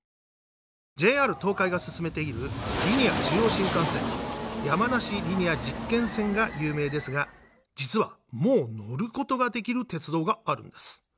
ＪＲ東海が進めているリニア中央新幹線山梨リニア実験線が有名ですが実はもう乗ることができる鉄道があるんです。